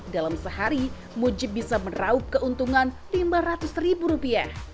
dalam sehari mujib bisa meraup keuntungan lima ratus ribu rupiah